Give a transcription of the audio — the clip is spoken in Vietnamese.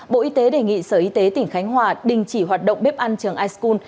bộ y tế đề nghị sở y tế tỉnh khánh hòa đình chỉ hoạt động bếp ăn trường ischul